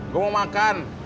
gue mau makan